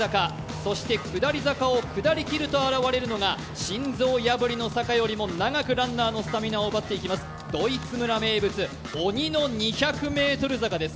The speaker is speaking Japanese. そして下り坂を下りきると現れるのが心臓破りの坂よりも長くランナーのスタミナを奪っていきますドイツ村名物、鬼の２００ｍ坂です